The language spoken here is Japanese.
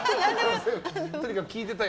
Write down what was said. とにかく聞いていたい。